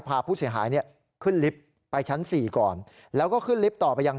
พาผู้เสียหายเนี่ยขึ้นลิฟต์ไปชั้นสี่ก่อนแล้วก็ขึ้นลิฟต์ต่อไปยัง